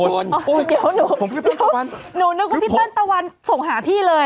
เดี๋ยวหนูนึกว่าพี่เติ้ลตะวันส่งหาพี่เลย